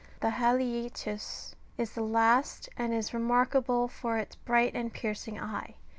The haliiutus ^ is the last, and is re markable for its bright and piercing eye.